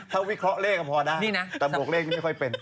ถ้าวิเคราะห์เลขก็พอนะแต่บวกเลขนี้ไม่ค่อยเป็น